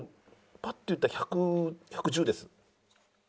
パッと言ったら１００１１０です。